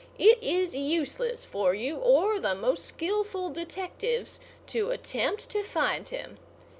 It is useless for you or the most skilful detectives to attempt to find him.